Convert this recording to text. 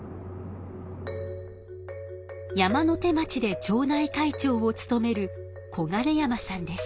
山ノ手町で町内会長をつとめる小金山さんです。